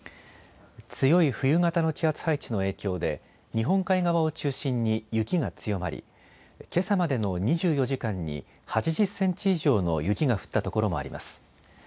強い冬型の気圧配置の影響で日本海側を中心に雪が強まりけさまでの２４時間に８０センチ以上の雪が降ったところもあります。